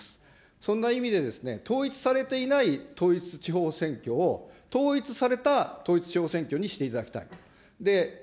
そんな意味で、統一されていない統一地方選挙を、統一された統一地方選挙にしていただきたい。